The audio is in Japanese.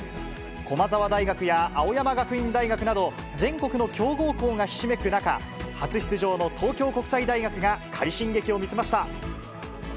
駒澤大学や青山学院大学など、全国の強豪校がひしめく中、初出場の東京国際大学が快進撃を見せました。